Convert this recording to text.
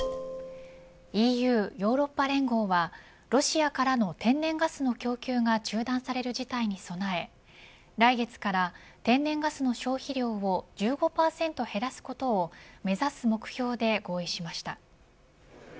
ＥＵ、ヨーロッパ連合はロシアからの天然ガスの供給が中断される事態に備え来月から天然ガスの消費量を１５％減らすことを目指す目標で合意しました。